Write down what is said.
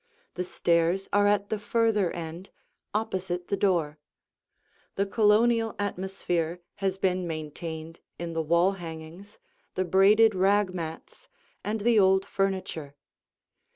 The stairs are at the further end, opposite the door. The Colonial atmosphere has been maintained in the wall hangings, the braided rag mats, and the old furniture.